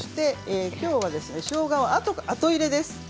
きょうはしょうがは後入れです。